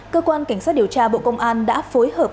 cơ quan cảnh sát điều tra bộ công an đã phối hợp